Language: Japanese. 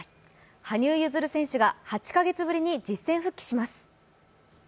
羽生結弦選手が８カ月ぶりに実戦復帰します。